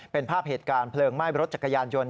เป็นภาพเหตุการณ์เพลิงไหม้รถจักรยานยนต์